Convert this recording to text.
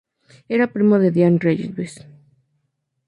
Era primo de Dianne Reeves.